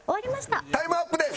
タイムアップです！